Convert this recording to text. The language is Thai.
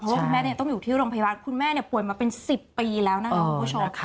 ว่าคุณแม่ต้องอยู่ที่โรงพยาบาลคุณแม่ป่วยมาเป็น๑๐ปีแล้วนะคะคุณผู้ชมค่ะ